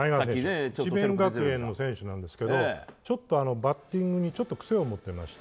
智弁学園の選手なんですがちょっとバッティングに癖を持っていまして